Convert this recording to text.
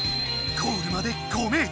ゴールまで５ｍ。